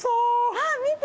あっ見て。